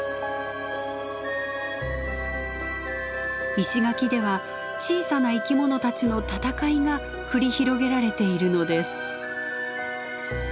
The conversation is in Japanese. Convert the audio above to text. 石垣では小さな生き物たちの戦いが繰り広げられているのです。